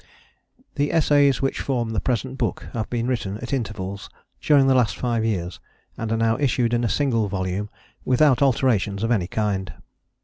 The Essays which form the present book have been written at intervals during the last five years, and are now issued in a single volume without alterations of any kind.